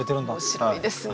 面白いですね。